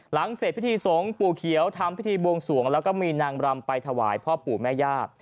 หลังเสร็จพิธีสงฆ์ปู่เขียวทำพิธีบวงสวงแล้วก็มีนางรำไปถวายพ่อปู่แม่ญาติ